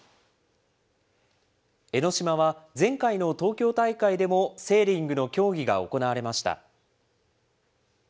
江の島は前回の東京大会でも、セーリングの競技が行われました。